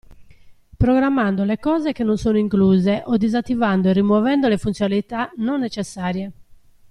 Programmando le cose che non sono incluse o disattivando e rimuovendo le funzionalità non necessarie.